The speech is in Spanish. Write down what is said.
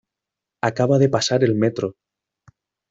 Acaba de pasar el metro.